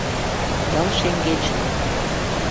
Ял шеҥгечын